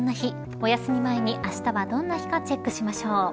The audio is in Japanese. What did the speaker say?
お休み前にあしたはどんな日かチェックしましょう。